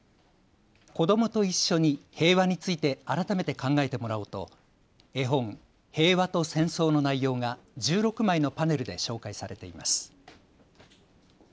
子どもと一緒に平和について改めて考えてもらおうと絵本、へいわとせんそうの内容が１６枚のパネルで紹介されています。